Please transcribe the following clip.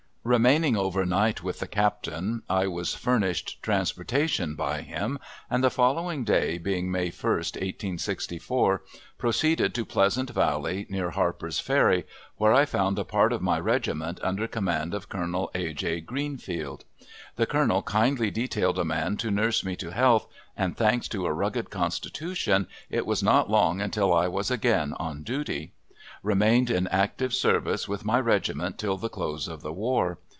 Remaining over night with the captain, I was furnished transportation by him, and the following day, being May 1, 1864, proceeded to Pleasant Valley, near Harper's Ferry, where I found a part of my regiment, under command of Colonel A. J. Greenfield. The colonel kindly detailed a man to nurse me to health, and thanks to a rugged constitution it was not long until I was again on duty. Remained in active service with my regiment till the close of the war.